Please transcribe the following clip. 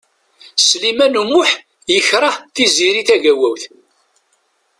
Sliman U Muḥ yekṛeh Tiziri Tagawawt.